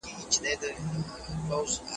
ما فکر کاوه چې دوی ارام ژوند لري.